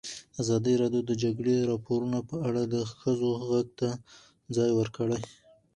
ازادي راډیو د د جګړې راپورونه په اړه د ښځو غږ ته ځای ورکړی.